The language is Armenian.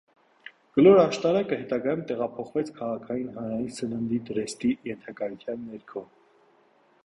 Կլոր աշտարակը հետագայում տեղափոխվեց քաղաքային հանրային սննդի տրեստի ենթակայություն ներքո։